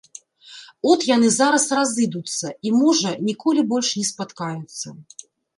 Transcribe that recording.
От яны зараз разыдуцца і, можа, ніколі больш не спаткаюцца.